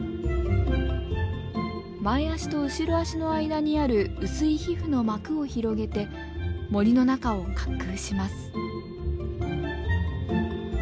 前足と後ろ足の間にある薄い皮膚の膜を広げて森の中を滑空します。